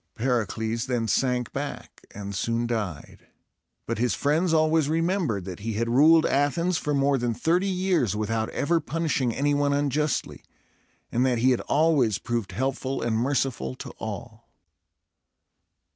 Pericles then sank back, and soon died; but his friends always remembered that he had ruled Athens for more than thirty years without ever punishing any one unjustly, and that he had always proved helpful and merciful to all.